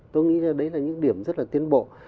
tôi nghĩ đấy là những điểm rất là tiến bộ